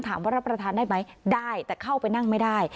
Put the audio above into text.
รับประทานได้ไหมได้แต่เข้าไปนั่งไม่ได้